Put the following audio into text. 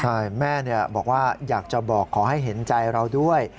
ใช่แม่บอกว่าอยากจะบอกขอให้เห็นใจเราด้วย